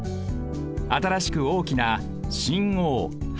新しく大きな新大橋。